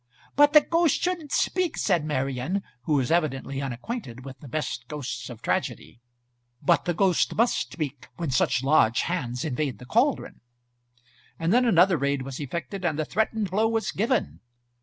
"But the ghost shouldn't speak," said Marian, who was evidently unacquainted with the best ghosts of tragedy. "But the ghost must speak when such large hands invade the caldron;" and then another raid was effected, and the threatened blow was given.